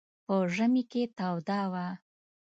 په ژمي کې توده وه.